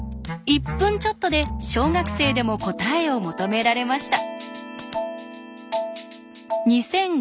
１分ちょっとで小学生でも答えを求められました。